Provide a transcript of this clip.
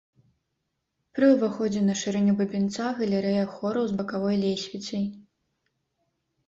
Пры ўваходзе на шырыню бабінца галерэя хораў з бакавой лесвіцай.